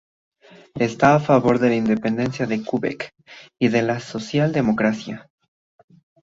Está a favor de la independencia de Quebec y de la socialdemocracia.